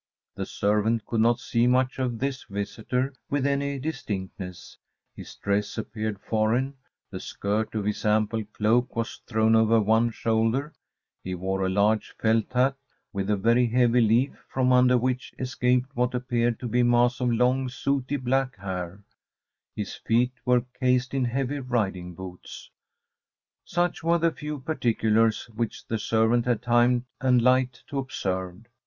The servant could not see much of this visitor with any distinctness; his dress appeared foreign, the skirt of his ample cloak was thrown over one shoulder; he wore a large felt hat, with a very heavy leaf, from under which escaped what appeared to be a mass of long sooty black hair; his feet were cased in heavy riding boots. Such were the few particulars which the servant had time and light to observe.